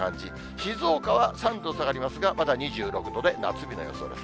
静岡は３度下がりますがまだ２６度で夏日の予想です。